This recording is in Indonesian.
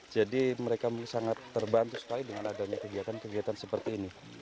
jadi mereka sangat terbantu sekali dengan adanya kegiatan kegiatan seperti ini